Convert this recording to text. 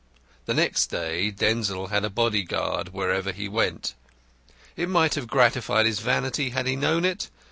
The next day Denzil had a body guard wherever he went. It might have gratified his vanity had he known it.